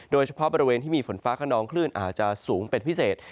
โดยเฉพาะบริเวณที่มีฝนฟ้าขนองคลื่นอาจจะสูงเป็นพิเศษ